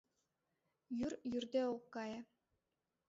Йӱр йӱрде ок кае.